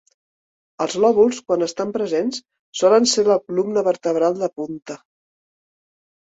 Els lòbuls, quan estan presents, solen ser la columna vertebral de punta.